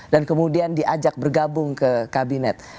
dan kemudian diajak bergabung ke kabinet